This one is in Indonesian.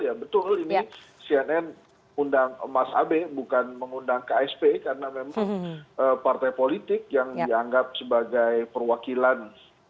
ya betul ini cnn undang mas abe bukan mengundang ksp karena memang partai politik yang dianggap sebagai perwakilan